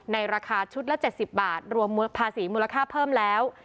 ราคาชุดละ๗๐บาทรวมภาษีมูลค่าเพิ่มแล้ว